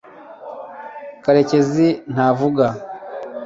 karekezi ntavuga